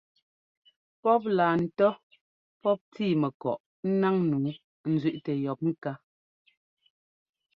Pɔ́p laa ńtɔ́ pɔ́p tíi mɛkɔꞌ ńnáŋ nǔu ńzẅíꞌtɛ yɔ̌p ŋká.